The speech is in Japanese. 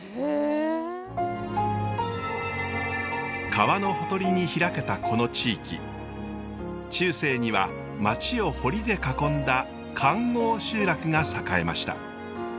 川のほとりに開けたこの地域中世には町を堀で囲んだ環ごう集落が栄えました。